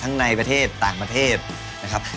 ในประเทศต่างประเทศนะครับ